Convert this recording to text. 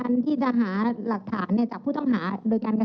มันก็ไม่ใช่วิธีทางที่จะต้องถอดออกนะ